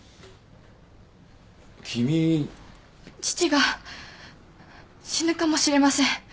父が死ぬかもしれません。